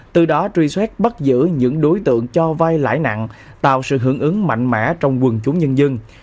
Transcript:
từ đó truy xét bắt giữ những đối tượng cho vai lãi nặng tạo sự hưởng ứng mạnh mẽ trong quần chúng nhân dân